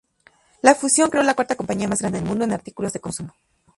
La fusión creó la cuarta compañía más grande del mundo en artículos de consumo.